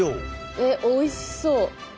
えっおいしそう！